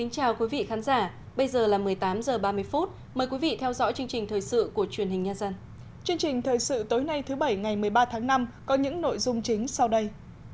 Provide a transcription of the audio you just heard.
chương trình tối nay thứ bảy ngày một mươi ba tháng năm có những nội dung chính sau đây